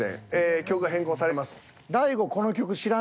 曲が変更されます。